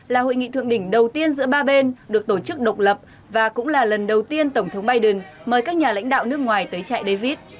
là hội nghị thượng đỉnh đầu tiên giữa ba bên được tổ chức độc lập và cũng là lần đầu tiên tổng thống biden mời các nhà lãnh đạo nước ngoài tới chạy david